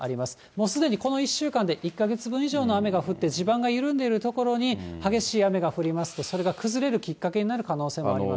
もうすでにこの１週間で１か月分以上の雨が降って、地盤が緩んでいる所に激しい雨が降りますと、それが崩れるきっかけになる可能性もあります。